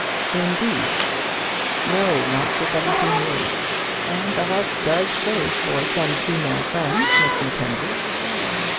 "Indeed." "No, not for seventeen years; and the heart does crave for some female friend, Miss Mackenzie."